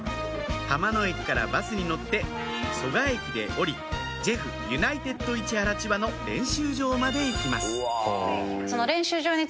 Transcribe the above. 浜野駅からバスに乗って蘇我駅で降りジェフユナイテッド市原・千葉の練習場まで行きます